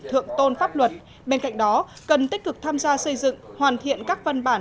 thượng tôn pháp luật bên cạnh đó cần tích cực tham gia xây dựng hoàn thiện các văn bản